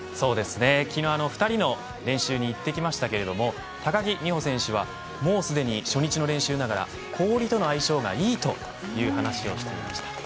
昨日２人の練習に行ってきましたけれど高木美帆選手はもうすでに初日の練習ながら氷との相性がいいという話をしていました。